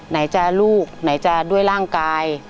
ไหนจะลูกไหนจะด้วยร่างกาย